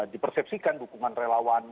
dipersepsikan dukungan relawan